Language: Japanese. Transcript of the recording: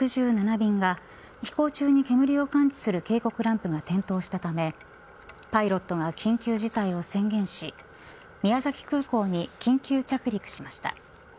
便が飛行中に煙を感知する警告ランプが点灯したためパイロットが緊急事態を宣言し宮崎空港に緊急着陸しました。